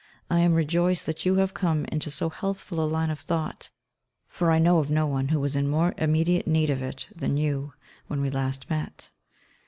I am rejoiced that you have come into so healthful a line of thought, for I know of no one who was in more immediate need of it than you, when we last met.